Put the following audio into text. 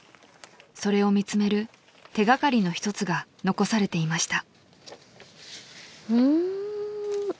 ［それを見つめる手掛かりの一つが残されていました］